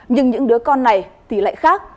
nhưng những đứa con này thì lại khác